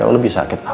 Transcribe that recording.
jauh lebih sakit al